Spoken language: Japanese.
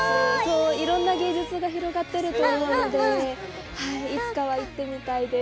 いろんな芸術が広がっていると思うのでいつかは行ってみたいです。